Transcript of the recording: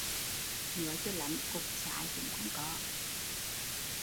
Nói cho lắm, cục xái cũng không có